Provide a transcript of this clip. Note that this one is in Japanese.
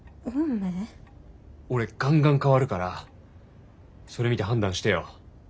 俺ガンガン変わるからそれ見て判断してよ。